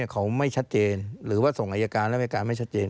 เขาไม่ชัดเจนหรือว่าส่งอายการแล้วอายการไม่ชัดเจน